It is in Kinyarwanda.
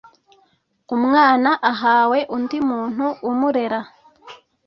Umwana ahawe undi muntu umurera